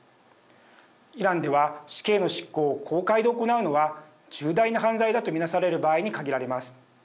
イランでは死刑の執行を公開で行うのは重大な犯罪だと見なされる場合に限られます。